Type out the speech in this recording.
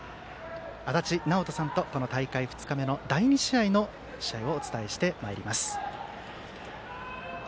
足達尚人さんとこの大会２日目の第２試合をお伝えしてまいります。